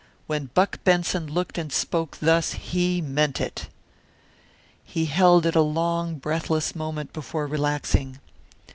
When Buck Benson looked and spoke thus he meant it. He held it a long, breathless moment before relaxing.